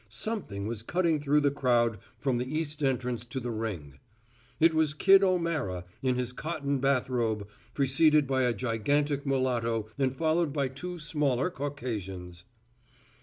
Something was cutting through the crowd from the east entrance to the ring. It was Kid O'Mara in his cotton bathrobe preceded by a gigantic mulatto and followed by two smaller Caucasians.